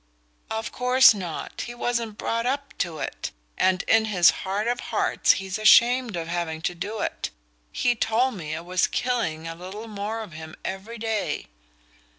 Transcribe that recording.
"Of course not; he wasn't brought up to it, and in his heart of hearts he's ashamed of having to do it. He told me it was killing a little more of him every day."